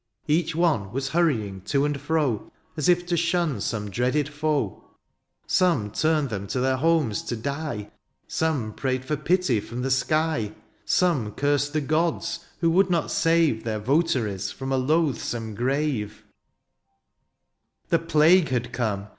Each one was hurrying to and fro, As if to shun some dreaded foe. Some turned them to their homes to die ; Some prayed for pity from the sky ; Some cursed the gods who would not save Their votaries from a loathsome grave. THE AREOPAGITE. 55 The plague had come